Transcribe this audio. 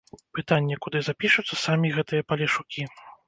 Пытанне, куды запішуцца самі гэтыя палешукі.